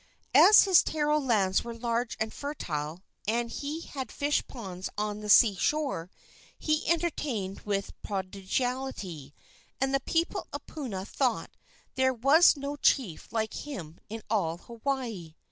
As his taro lands were large and fertile, and he had fish ponds on the sea shore, he entertained with prodigality, and the people of Puna thought there was no chief like him in all Hawaii.